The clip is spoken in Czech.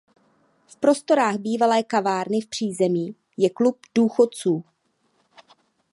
V prostorách bývalé kavárny v přízemí je klub důchodců.